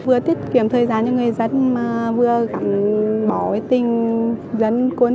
vừa tiết kiệm thời gian cho người dân mà vừa gặp bỏ cái tình dân quân